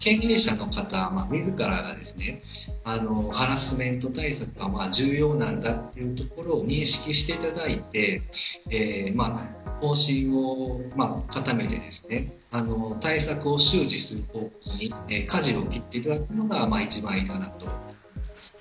経営者の方自らがハラスメント対策が重要なのかというところを認識していただいて方針を固めて対策を周知するとかじを切っていただくのが一番いいかなと思います。